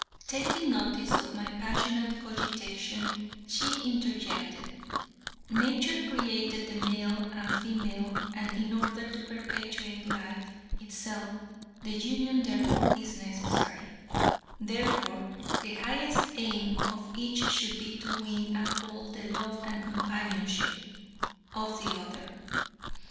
Taking notice of my passionate cogitation, she interjected, "Nature created the male and female, and in order to perpetuate life itself, the union thereof is necessary; therefore, the highest aim of each should be to win and hold the love and companionship of the other.